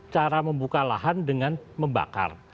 cara membuka lahan dengan membakar